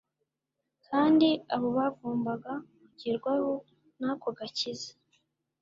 kandi abo bagombaga kugerwaho n'ako gakiza